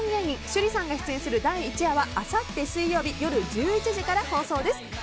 趣里さんが出演する第１夜はあさって水曜日夜１１時から放送です。